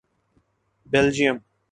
Belgium